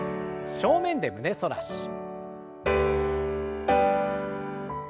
正面で胸反らし。